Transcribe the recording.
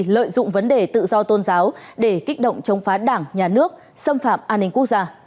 lợi dụng vấn đề tự do tôn giáo để kích động chống phá đảng nhà nước xâm phạm an ninh quốc gia